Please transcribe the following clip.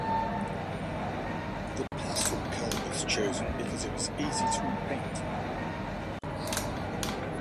The pastel colour was chosen because it was easy to repaint.